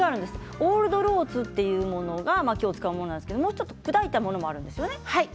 ロールドオーツというのが今日使うものなんですがもう１つ砕いたものがあるんですね。